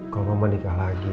kalau mama nikah lagi